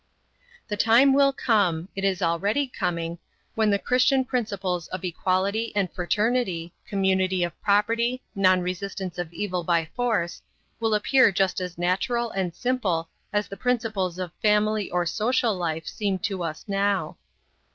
The time will come it is already coming when the Christian principles of equality and fraternity, community of property, non resistance of evil by force, will appear just as natural and simple as the principles of family or social life seem to us now.